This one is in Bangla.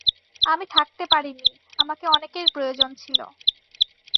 আমি থাকতে পারিনি, আমাকে অনেকের প্রয়োজন ছিল।